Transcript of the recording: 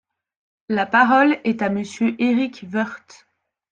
La parole est à Monsieur Éric Woerth.